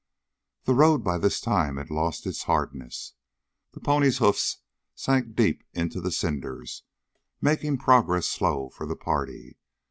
The road by this time had lost its hardness. The ponies' hoofs sank deep into the cinders, making progress slow for the party.